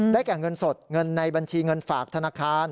แก่เงินสดเงินในบัญชีเงินฝากธนาคาร